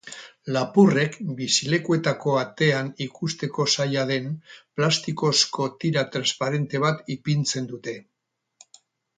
Lapurrek bizilekuetako atean ikusteko zaila den plastikozko tira transparente bat ipintzen dute.